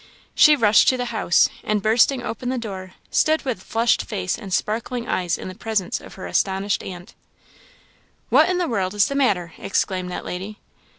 She rushed to the house, and bursting open the door, stood with flushed face and sparkling eyes in the presence of her astonished aunt. "What in the world is the matter?" exclaimed that lady.